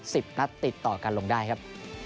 สิบนัดติดต่อกันลงได้ครับ